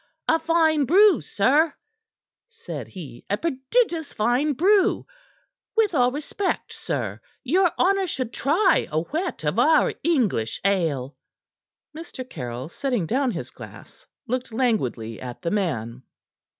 "A fine brew, sir," said he. "A prodigious fine brew! With all respect, sir, your honor should try a whet of our English ale." Mr. Caryll, setting down his glass, looked languidly at the man.